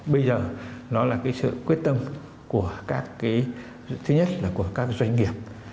bây giờ nó là cái sự quyết tâm của các cái thứ nhất là của các doanh nghiệp